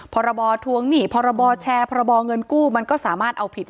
พรบทวงหนี้พรบแชร์พรบเงินกู้มันก็สามารถเอาผิดได้